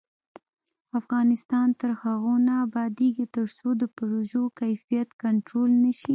افغانستان تر هغو نه ابادیږي، ترڅو د پروژو کیفیت کنټرول نشي.